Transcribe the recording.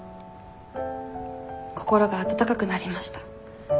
心が温かくなりました。